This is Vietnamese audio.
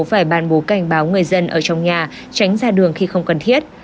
phải ban bố cảnh báo người dân ở trong nhà tránh ra đường khi không cần thiết